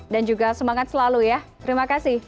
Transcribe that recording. dan juga semangat selalu ya terima kasih